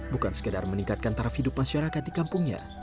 bukan sekedar meningkatkan taraf hidup masyarakat di kampungnya